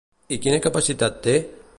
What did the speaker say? I quina capacitat té?